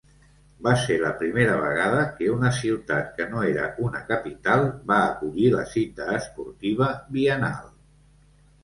Va ser la primera vegada que una ciutat que no era una capital va acollir la cita esportiva biennal.